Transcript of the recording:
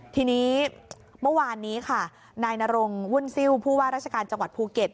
ทีนี้เมื่อวานนี้ค่ะนายนรงวุ่นซิลผู้ว่าราชการจังหวัดภูเก็ต